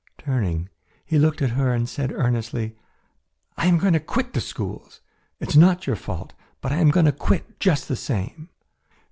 Turning, he looked at her and said earnestly: "I am going to quit the schools. It is not your fault, but I am going to quit just the same."